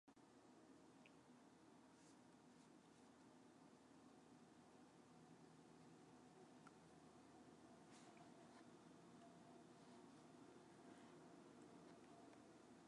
The great battle was fought on the twenty-sixth day of the month.